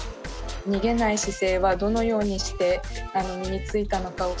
逃げない姿勢はどのようにして身についたのかを。